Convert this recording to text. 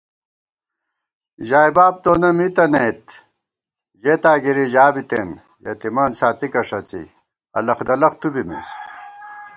ژائےباب تونہ مِی تَنَئیت، ژېتا گِرِی ژا بِتېن * یتِیمان ساتِکہ ݭڅی الَخ دلَخ تُو بِمېس